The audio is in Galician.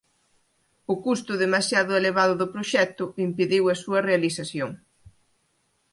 O custo demasiado elevado do proxecto impediu a súa realización.